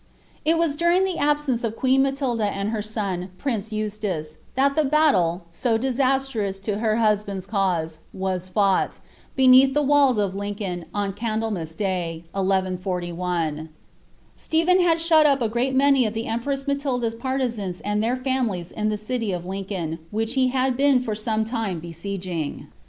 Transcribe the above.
It was during the absence of queen Matilda and her son, prince Eub tace, that the ^ttle, so disastrous to her husband's cause, was fouffht, beneath the walls of Lincoln, on Candlemas day, 1141. Stephen hail shut up a great many of the empress Matilda's partisans and their fami lies in the city of Lincoln, which he had been for some time besi^[ing. > Gervase. Henxy of Hontinfclon.